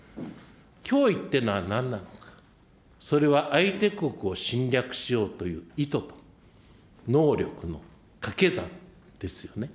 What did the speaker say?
脅威っていうのはなんなのか、それは相手国を侵略しようという意図と能力の掛け算ですよね。